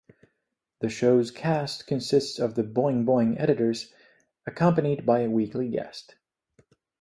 The show's cast consists of the "Boing Boing" editors, accompanied by a weekly guest.